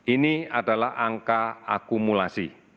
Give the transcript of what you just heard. ini adalah angka akumulasi